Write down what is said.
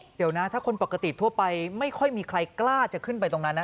เดี๋ยวนะถ้าคนปกติทั่วไปไม่ค่อยมีใครกล้าจะขึ้นไปตรงนั้นนะ